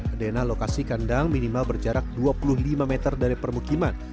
adena lokasi kandang minimal berjarak dua puluh lima meter dari permukiman